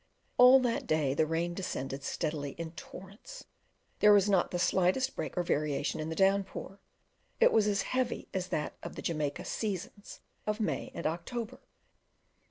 All that day the rain descended steadily in torrents; there was not the slightest break or variation in the downpour: it was as heavy as that of the Jamaica seasons of May and October.